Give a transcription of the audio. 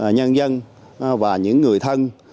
nhân dân và những người thân